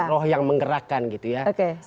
roh yang menggerakkan gitu ya